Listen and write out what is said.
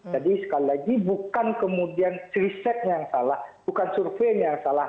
jadi sekali lagi bukan kemudian risetnya yang salah bukan surveinya yang salah